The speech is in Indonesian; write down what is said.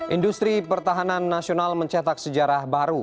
industri pertahanan nasional mencetak sejarah baru